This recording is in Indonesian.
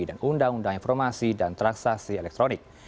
dan undang undang informasi dan traksasi elektronik